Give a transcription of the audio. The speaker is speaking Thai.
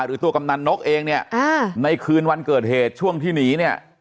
หรือตัวกำนันนกเองเนี่ยในคืนวันเกิดเหตุช่วงที่หนีเนี่ย